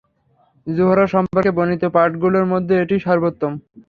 যুহরা সম্পর্কে বর্ণিত পাঠগুলোর মধ্যে এটিই সর্বোত্তম।